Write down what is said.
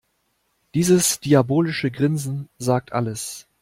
Dieses diabolische Grinsen sagt alles.